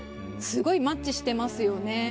すごいマッチしてますよね。